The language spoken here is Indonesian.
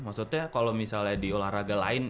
maksudnya kalo misalnya di olahraga lain